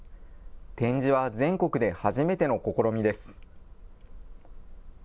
展示は全国で初めての試みです。